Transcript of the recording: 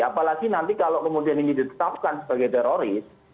apalagi nanti kalau kemudian ini ditetapkan sebagai teroris